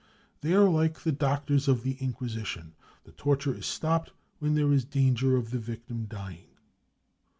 They are like the doctors of the Inquisition : the torture is stopped when there is danger of the victim dying.